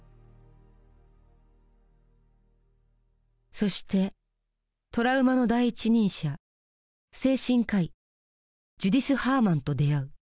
そしてトラウマの第一人者精神科医ジュディス・ハーマンと出会う。